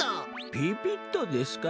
ピピッとですか？